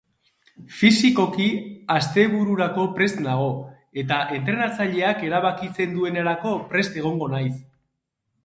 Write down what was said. Fisikoki astebururako prest nago, eta entrenatzaileak erabakitzen duenerako prest egongo naiz.